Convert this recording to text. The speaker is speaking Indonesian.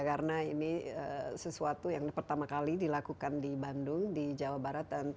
karena ini sesuatu yang pertama kali dilakukan di bandung di jawa barat